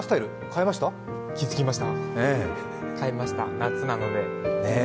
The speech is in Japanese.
変えました、夏なので。